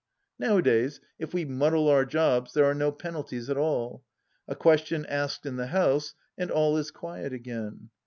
Nowadays, if we muddle our jobs, there are no penalties at all — a question asked in the House, and all is quiet again.